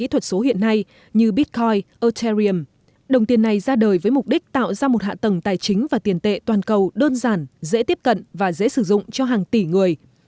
hạ tầng tài chính và tiền tệ toàn cầu đơn giản dễ tiếp cận và dễ sử dụng cho hàng tỷ người